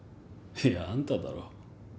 いやあんただろ？